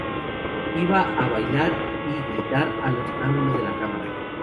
Iba a bailar y gritar a los ángulos de la cámara.